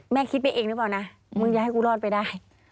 แม่คิดไปเองหรือเปล่านะ